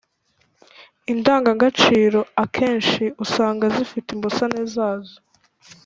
Indangagaciro akenshi usanga zifite imbusane zazo